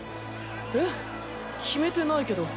えっ決めてないけど。